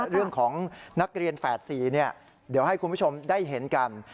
เรื่องของนักเรียนแฝด๔เดี๋ยวให้คุณผู้ชมได้เห็นกัน